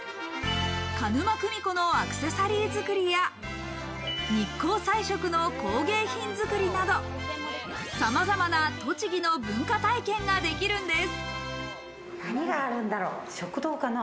鹿沼組子のアクセサリー作りや、日光彩色の工芸品作りなど、さまざまな栃木の文化体験ができるんです。